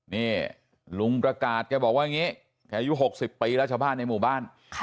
นี่ลุงประกาศแกบอกว่าอย่างนี้แกอายุ๖๐ปีแล้วชาวบ้านในหมู่บ้าน